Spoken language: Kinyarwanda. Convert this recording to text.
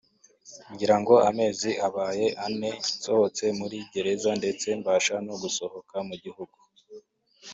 ngirango amezi amaze kuba ane nsohotse muri gereza ndetse mbasha no gusohoka mu gihugu